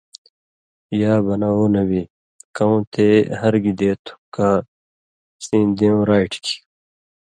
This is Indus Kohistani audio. یا بنہ او نبی، کؤں تے ہر گی دے تھُو کہ سیں دېوں راٹیۡ کھیں؟